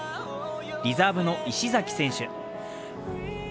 リザーブの石崎選手。